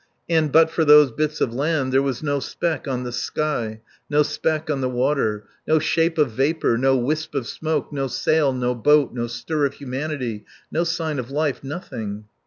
And but for those bits of land there was no speck on the sky, no speck on the water, no shape of vapour, no wisp of smoke, no sail, no boat, no stir of humanity, no sign of life, nothing!